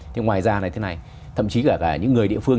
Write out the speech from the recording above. thế ngoài ra là thế này thậm chí cả những người địa phương